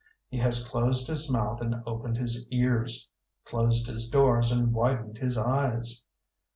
He has closed his mouth and opened his ears; closed his doors and widened his eyes.